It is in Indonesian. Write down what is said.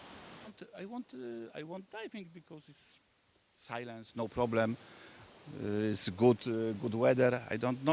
saya tidak mau menyerang karena ini silam tidak ada masalah